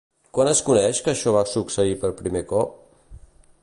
Quan es coneix que això va succeir per primer cop?